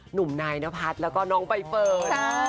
หนุ่มนายนพัฒน์แล้วก็น้องใบเฟิร์น